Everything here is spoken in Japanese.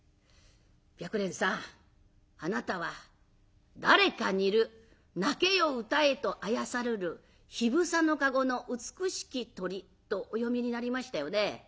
白蓮さんあなたは『誰か似る鳴けようたへとあやさるる緋房の籠の美しき鳥』とお詠みになりましたよね。